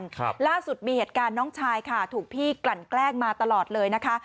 ครับล่าสุดมีเหตุการณ์น้องชายค่ะถูกพี่กลั่นแกล้งมาตลอดเลยนะคะ